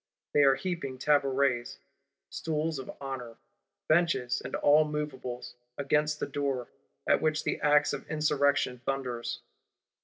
They are heaping tabourets (stools of honour), benches and all moveables, against the door; at which the axe of Insurrection thunders.